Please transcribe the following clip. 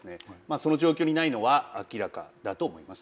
その状況にないのは明らかだと思います。